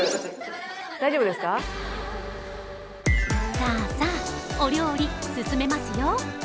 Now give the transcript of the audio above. さあさあ、お料理進めますよ。